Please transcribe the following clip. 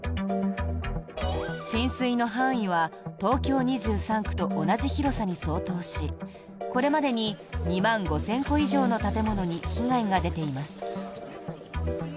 浸水の範囲は東京２３区と同じ広さに相当しこれまでに２万５０００戸以上の建物に被害が出ています。